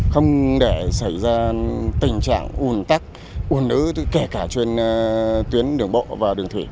không để xảy ra tình trạng ồn tắc ồn nữ kể cả trên đường bộ và đường thủy